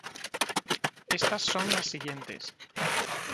Estas son las siguientes.